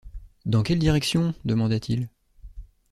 Dans quelle direction? demanda-t-il.